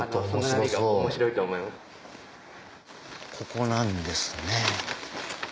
ここなんですね。